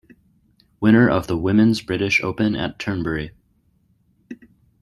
Winner of the Women's British Open at Turnberry.